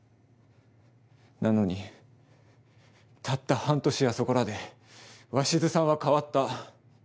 なのにたった半年やそこらで鷲津さんは変わった。